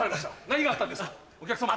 何があったんですかお客様。